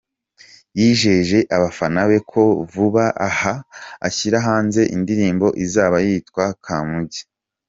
Yijeje abafana be ko vuba aha ashyira hanze indirimbo izaba yitwa ‘Kamugi’.